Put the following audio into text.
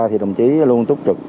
thì đồng chí luôn túc trực